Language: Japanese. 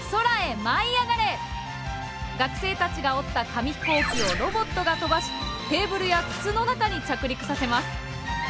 学生たちが折った紙ヒコーキをロボットが飛ばしテーブルや筒の中に着陸させます。